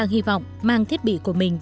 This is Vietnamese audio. hi vọng mang thiết bị của mình